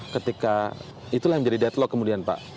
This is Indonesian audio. ketika itulah yang menjadi deadlock kemudian pak